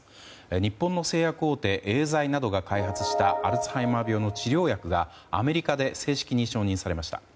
日本の製薬大手エーザイなどが開発したアルツハイマー病の治療薬がアメリカで正式に承認されました。